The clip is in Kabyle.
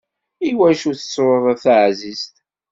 Iwacu tettruḍ a taεzizt?